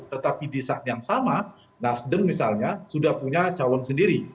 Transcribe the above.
tetapi di saat yang sama nasdem misalnya sudah punya calon sendiri